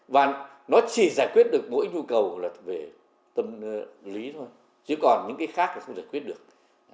và nó chỉ giải quyết được mỗi nhu cầu là về tâm lý thôi chứ còn những cái khác là không giải quyết được